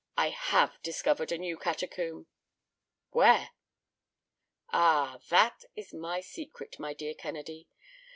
I HAVE discovered a new catacomb." "Where?" "Ah, that is my secret, my dear Kennedy.